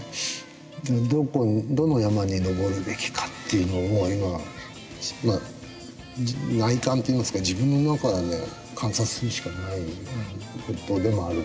どの山に登るべきかというのを今内観といいますか自分の中で観察するしかない事でもあるんですけど。